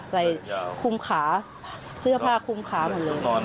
ใส่คุมขาเสื้อผ้าคุมขาหมดเลย